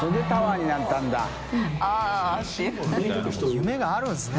夢があるんですね